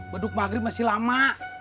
baduk maghrib masih lama